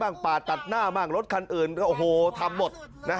มากปาดตัดหน้ามากรถคันอื่นก็ทำหมด